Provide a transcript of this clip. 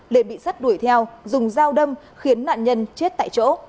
lệ bị sắt đuổi theo dùng dao đâm khiến nạn nhân chết tại chỗ